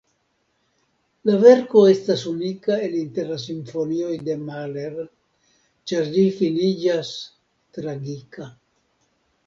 La verko estas unika el inter la simfonioj de Mahler, ĉar ĝi finiĝas tragika.